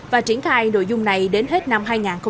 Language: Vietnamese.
và triển khai nội dung này đến hết năm hai nghìn hai mươi